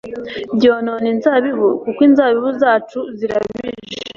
byonona inzabibu kuko inzabibu zacu zirabije